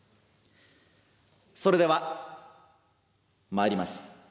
それではまいります。